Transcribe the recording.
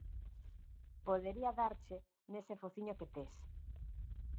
Podería darche nese fociño que tes!